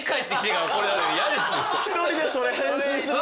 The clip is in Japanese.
一人でそれ返信するの。